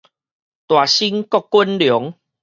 大身閣滾龍